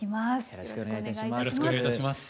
よろしくお願いします。